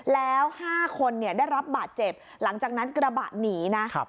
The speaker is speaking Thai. แล้ว๕คนได้รับบาดเจ็บหลังจากนั้นกระบะหนีนะ